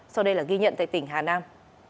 sau đây là ghi nhận tại tỉnh hà nam